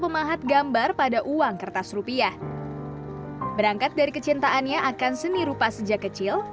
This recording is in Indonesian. pemahat gambar pada uang kertas rupiah berangkat dari kecintaannya akan seni rupa sejak kecil